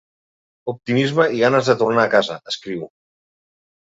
Optimisme i ganes de tornar a casa, escriu.